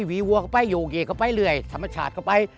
หวีวัวเขาไปโยเกเขาไปเรื่อยธรรมชาติเขาไป